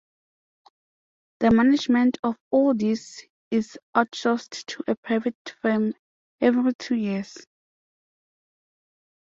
The management of all these is outsourced to a private firm every two years.